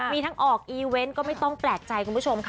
มีทั้งออกอีเวนต์ก็ไม่ต้องแปลกใจคุณผู้ชมค่ะ